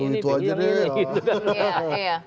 itu aja deh ya